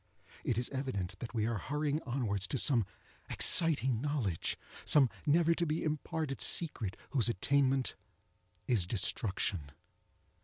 It is evident that we are hurrying onwards to some exciting knowledge—some never to be imparted secret, whose attainment is destruction.